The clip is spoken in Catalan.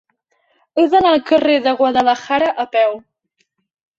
He d'anar al carrer de Guadalajara a peu.